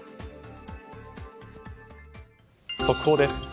速報です。